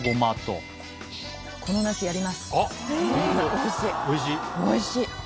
おいしい？